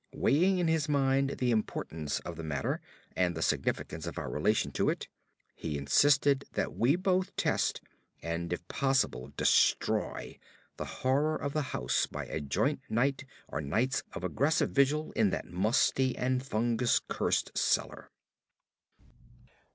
Weighing in his mind the importance of the matter, and the significance of our relation to it, he insisted that we both test and if possible destroy the horror of the house by a joint night or nights of aggressive vigil in that musty and fungus cursed cellar.